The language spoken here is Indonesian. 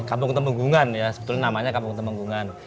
kampung temenggungan ya sebetulnya namanya kampung temenggungan